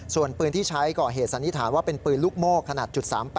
ส่วนปืนที่ใช้ก่อเหตุสันนิษฐานว่าเป็นปืนลูกโม่ขนาด๓๘